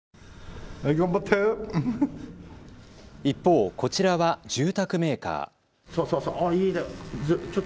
一方、こちらは住宅メーカー。